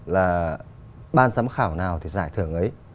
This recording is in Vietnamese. là ban giám khảo nào thì giải thưởng ấy